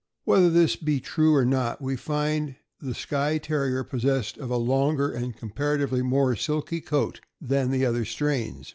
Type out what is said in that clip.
Whether this be true or not, we find the Skye Terrier possessed of a longer and comparatively more silky coat than the other strains.